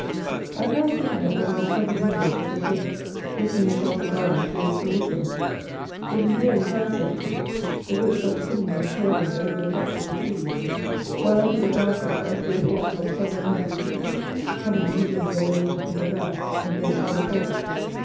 I am now sitting at one of the southern windows of this inn, looking across the garden towards the rookery. It is nearly sun setting; the rooks are skimming and curving over the tops of the trees; while, under the branches, I see a flock of several hundred sheep, coming nibbling their way in from the Down, and going to their fold.